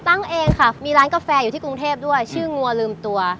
ตั้งเองค่ะมีร้านกาแฟอยู่ที่กรุงเทพด้วยชื่องัวลืมตัว